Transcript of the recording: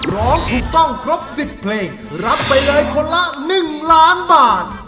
ร้องถูกต้องครบ๑๐เพลงรับไปเลยคนละ๑ล้านบาท